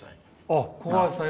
あっ小林さん